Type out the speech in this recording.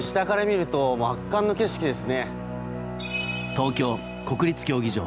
東京・国立競技場。